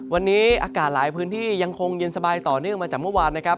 วันนี้อากาศหลายพื้นที่ยังคงเย็นสบายต่อเนื่องมาจากเมื่อวานนะครับ